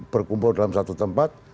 berkumpul dalam satu tempat